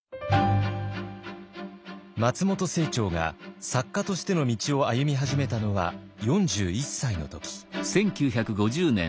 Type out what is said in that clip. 松本清張が作家としての道を歩み始めたのは４１歳の時。